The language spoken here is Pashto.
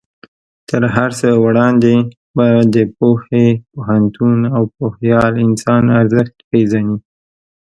تر هر څه وړاندې به د پوهې، پوهنتون او پوهیال انسان ارزښت پېژنې.